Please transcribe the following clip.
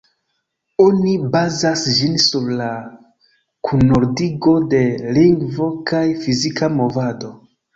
Oni bazas ĝin sur la kunordigo de lingvo kaj fizika movado.